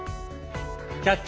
「キャッチ！